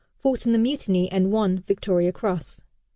Fought in the Mutiny, and won Victoria Cross.